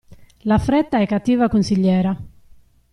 La fretta è cattiva consigliera.